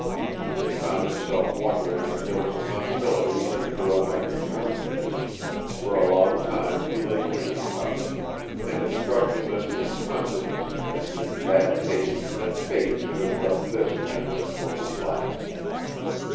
He found himself wondering if there was a possibility that the girl might return. For a long time he lay thinking about her, and it struck him as incongruous and in bad taste that fate should have left this adventure for his last.